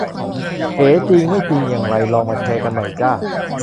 เอ๋ ! ? จริงไม่จริงอย่างไร ลองมาแชร์กันหน่อยจ้า